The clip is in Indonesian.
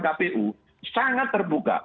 kpu sangat terbuka